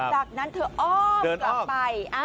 จากนั้นเธออ้อมกลับไป